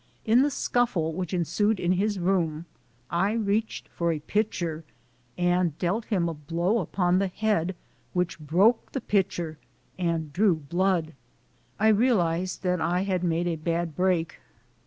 In the scuffle which ensued in his room, I reached for a pitcher and MY AMERICAN EDUCATION 167 dealt him a blow upon the head, which broke the pitcher and drew blood. I realized that I had made a bad break.